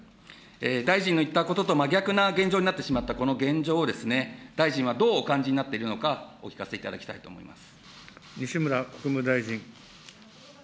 大臣の言ったことと真逆な現状になってしまったこの現状を、大臣はどうお感じになっているのか、お聞かせいただきたいと思います。